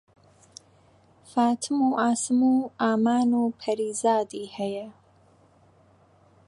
فاتم و عاسم و ئامان و پەریزادی هەیە